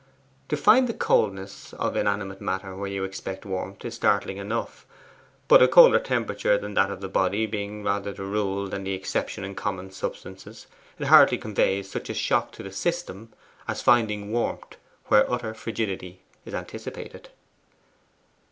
To find the coldness of inanimate matter where you expect warmth is startling enough; but a colder temperature than that of the body being rather the rule than the exception in common substances, it hardly conveys such a shock to the system as finding warmth where utter frigidity is anticipated.